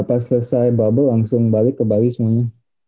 pas selesai bubble langsung balik ke bali semuanya